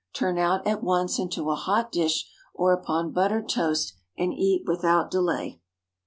Turn out at once into a hot dish, or upon buttered toast and eat without delay.